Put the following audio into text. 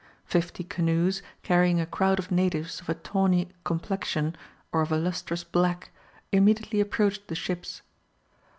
Fifty canoes, carrying a crowd of natives of a tawny complexion, or of a lustrous black, immediately approached the ships.